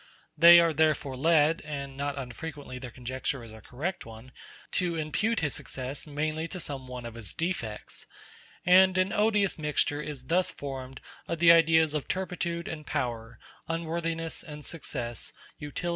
They are therefore led (and not unfrequently their conjecture is a correct one) to impute his success mainly to some one of his defects; and an odious mixture is thus formed of the ideas of turpitude and power, unworthiness and success, utility and dishonor.